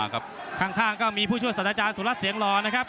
ข้างก็มีผู้ช่วยสัญลักษณ์ศุรัสเซียงรอนะครับ